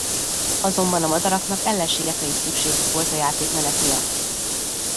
Azonban a madaraknak ellenségekre is szükségük volt a játékmenet miatt.